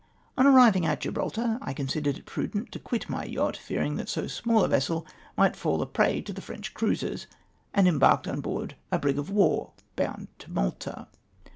On arrivmg at Gibraltar I considered it prudent to quit my yacht, fearing that so small a vessel might fall 170 MY VISIT TO MALTA. a prey to the French cruisers, and embarked on board a briQ: of war bound to Malta.